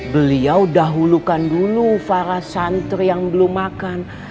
beliau dahulukan dulu para santri yang belum makan